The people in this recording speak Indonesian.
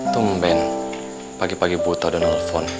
tumben pagi pagi buta udah nelfon